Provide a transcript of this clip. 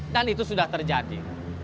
dan itu sudah terjadi